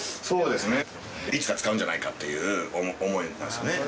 そうですね、いつか使うんじゃないかっていう思いなんですよね。